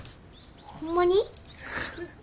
ホンマに？